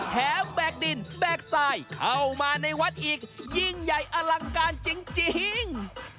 แบกดินแบกทรายเข้ามาในวัดอีกยิ่งใหญ่อลังการจริง